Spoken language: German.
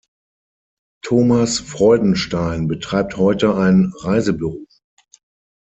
Thomas Freudenstein betreibt heute ein Reisebüro.